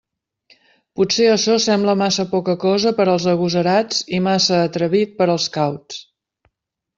Potser açò sembla massa poca cosa per als agosarats i massa atrevit per als cauts.